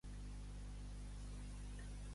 Com se sent el partit de Joe Biden?